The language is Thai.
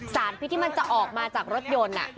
สารพิษที่มันจะออกมาจากรถยนต์